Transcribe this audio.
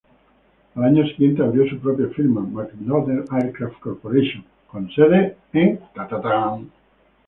Al año siguiente abrió su propia Firma McDonnell Aircraft Corporation, con sede en St.